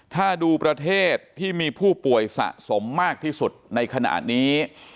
ถ้าดูประเทศที่มีผู้ป่วยสะสมมากที่สุดในขณะนี้